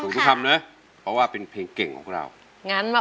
เพราะว่าเป็นเพย์เก่งของเรา